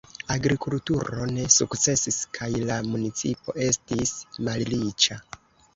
Agrikulturo ne sukcesis kaj la municipo estis malriĉa.